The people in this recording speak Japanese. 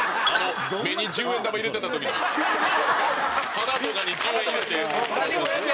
鼻とかに十円入れて。